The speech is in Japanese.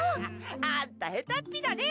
あんた、へたっぴだね。